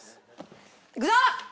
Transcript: いくぞ！